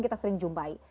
kita sering jumpai